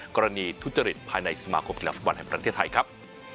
กรณีทุจริตภายในสมาคมกีฬาฟุตบอลแห่งประเทศไทยครับ